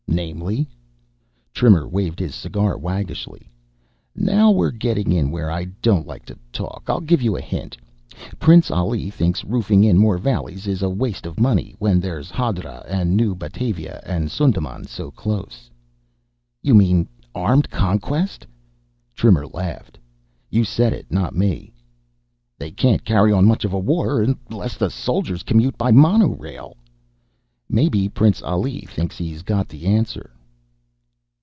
"Namely?" Trimmer waved his cigar waggishly. "Now we're getting in where I don't like to talk. I'll give you a hint. Prince Ali thinks roofing in more valleys is a waste of money, when there's Hadra and New Batavia and Sundaman so close." "You mean armed conquest?" Trimmer laughed. "You said it, not me." "They can't carry on much of a war unless the soldiers commute by monorail." "Maybe Prince Ali thinks he's got the answer."